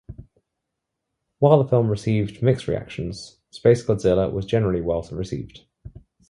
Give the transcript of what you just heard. While the film received mixed reactions, SpaceGodzilla was generally well received.